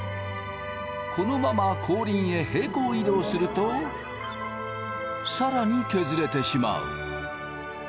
このまま後輪へ平行移動すると更に削れてしまう。